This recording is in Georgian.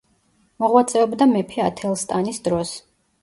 მოღვაწეობდა მეფე ათელსტანის დროს.